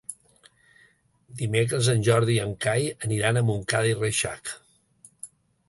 Dimecres en Jordi i en Cai aniran a Montcada i Reixac.